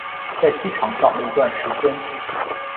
在机场找了一段时间